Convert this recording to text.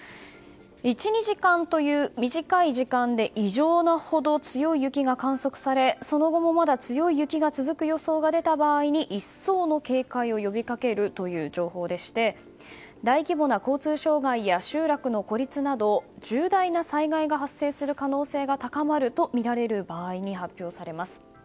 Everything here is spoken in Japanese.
１２時間という短い時間で異常なほど強い雪が観測されその後もまだ強い雪が続く予想が出た場合に一層の警戒を呼びかけるという情報でして大規模な交通障害や集落の孤立など重大な災害が発生する可能性が高まるとみられる場合に発表されます。